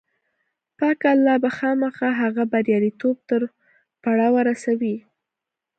پاک الله به خامخا هغه د برياليتوب تر پړاوه رسوي.